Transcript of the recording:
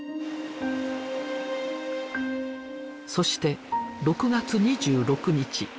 そして６月２６日。